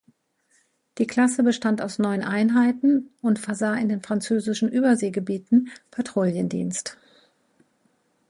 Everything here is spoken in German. Die Klasse bestand aus neun Einheiten und versah in den Französischen Überseegebieten Patrouillendienst.